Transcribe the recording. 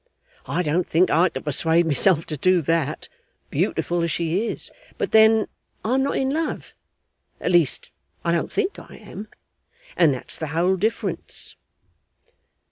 I don't think I could persuade myself to do that, beautiful as she is, but then I'm not in love (at least I don't think I am) and that's the whole difference.